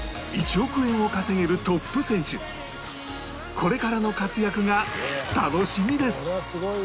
これからの活躍が楽しみです